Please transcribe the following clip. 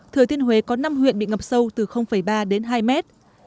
thừa thiên huế có năm huyện bị ngập sâu từ ba đến hai mét